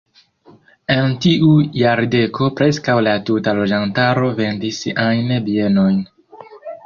En tiu jardeko preskaŭ la tuta loĝantaro vendis siajn bienojn.